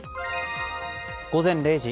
午前０時。